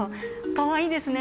かわいいですね。